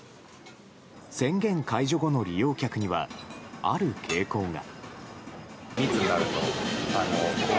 宣言解除後の利用客にはある傾向が。